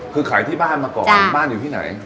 คือขายที่บ้านมาก่อนบ้านอยู่ที่ไหน